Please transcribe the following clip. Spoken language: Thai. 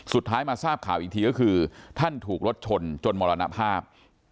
สุดท้ายมาทราบข่าวอีกทีก็คือท่านถูกรถชนจนมรณภาพ